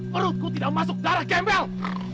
perutku tidak masuk darah gembel